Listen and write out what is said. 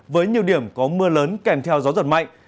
với nhiều điểm có mưa lớn kèm theo gió giật mạnh